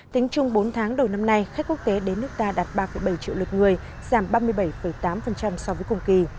tính chung bốn tháng đầu năm nay khách quốc tế đến nước ta đạt ba bảy triệu lượt người giảm ba mươi bảy tám so với cùng kỳ